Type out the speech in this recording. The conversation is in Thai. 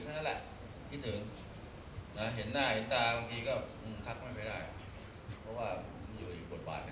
แต่ผีทหารไม่ค่อยดูเหรอใจดีช่วยคน